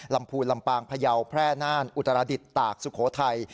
พูนลำปางพยาวแพร่น่านอุตรดิษฐ์ตากสุโขทัย